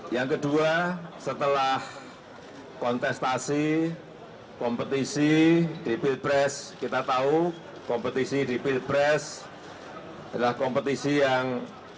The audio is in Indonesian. yang kedua setelah kontestasi kompetisi di pilpres kita tahu kompetisi di pilpres adalah kompetisi yang